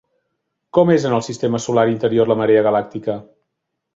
Com és en el sistema solar interior la marea galàctica?